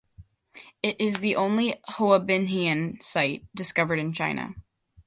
It is the only Hoabinhian site discovered in China.